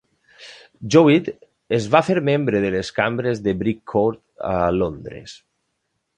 Jowitt es va fer membre de les cambres de Brick Court a Londres.